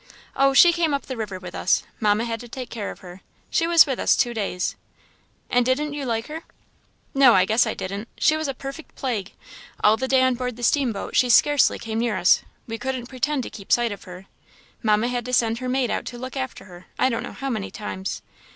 "Oh, she came up the river with us Mamma had to take care of her she was with us two days." "And didn't you like her?" "No, I guess I didn't! she was a perfect plague. All the day on board the steamboat she scarcely came near us; we couldn't pretend to keep sight of her; Mamma had to send her maid out to look after her, I don't know how many times.